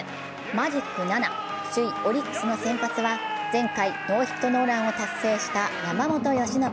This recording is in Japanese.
マジック７、首位・オリックスの先発は前回ノーヒットノーランを達成した山本由伸。